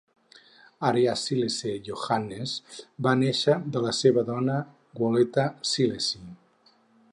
Araya Selassie Yohannes va néixer de la seva dona Wolete Selassie.